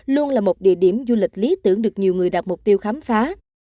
luôn là một địa điểm du lịch lý tưởng được nhiều người đặt mục tiêu khám phá